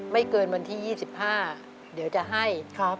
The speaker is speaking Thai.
ไม่เกินวันที่๒๕เดี๋ยวจะให้